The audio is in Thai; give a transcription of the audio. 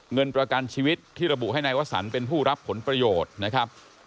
เงินประกันชีวิตที่ระบุให้นายวสันเป็นผู้รับผลประโยชน์นะครับ